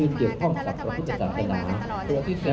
อยากชวนทุกท่านมากับพระราชาวันจัดไว้มากันตลอด